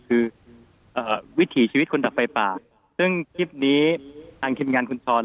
คือวิถีชีวิตคนดับไฟป่าซึ่งคลิปนี้ทางทีมงานคุณช้อน